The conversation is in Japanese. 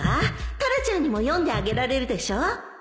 タラちゃんにも読んであげられるでしょ？